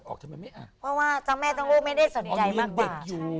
เพราะว่าตั้งแม่ตั้งลูกไม่ได้สนใจมากกว่า